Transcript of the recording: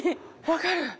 分かる。